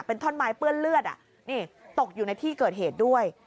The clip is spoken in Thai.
เป็นท่อนไม้เปื้อนเลือดนี่ตกอยู่ในที่เกิดเหตุด้วย